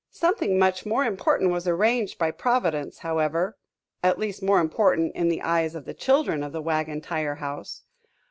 Something much more important was arranged by Providence, however at least, more important in the eyes of the children of the Wagon Tire House.